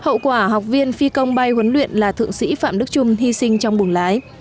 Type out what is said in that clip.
hậu quả học viên phi công bay huấn luyện là thượng sĩ phạm đức trung hy sinh trong buồng lái